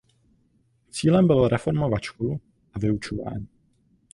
Cílem bylo reformovat školu a vyučování.